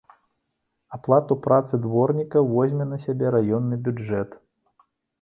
Аплату працы дворнікаў возьме на сябе раённы бюджэт.